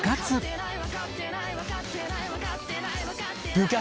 部活。